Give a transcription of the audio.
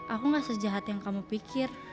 aku gak sejahat yang kamu pikir